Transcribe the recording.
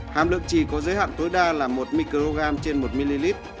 hàm lượng chỉ có giới hạn tối đa là một microgram trên một ml